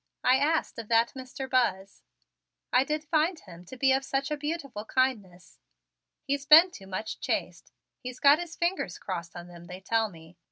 I asked of that Mr. Buzz. "I did find him to be of such a beautiful kindness." "He's been too much chased. He's got his fingers crossed on them, they tell me.